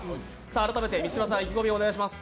改めて三島さん、意気込みをお願いします。